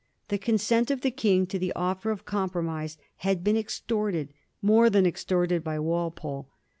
The consent of the King to the offer of compromise had been extorted, more than extorted, by Walpole.